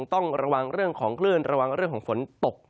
ต้องระวังเรื่องของคลื่นระวังเรื่องของฝนตก